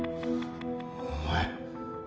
お前。